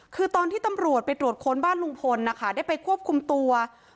คือตอนที่ตำรวจไปตรวจค้นบ้านลุงพลนะคะได้ไปควบคุมตัว